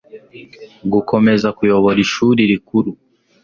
gukomeza kuyobora ishuri rikuru